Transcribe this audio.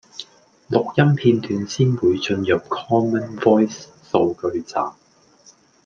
錄音片段先會進入 Common Voice 數據集